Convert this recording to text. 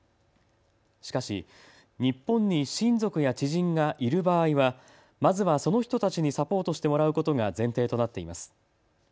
しかし日本に親族や知人がいる場合はまずはその人たちにサポートしてもらうことが前提となっています。